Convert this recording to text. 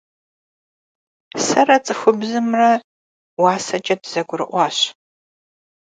Sere ts'ıxubzımre vuasemç'e dızegurı'uaş.